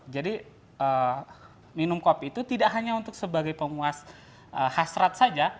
jadi minum kopi itu tidak hanya untuk sebagai pemuas hasrat saja